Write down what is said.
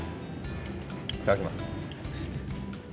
いただきます。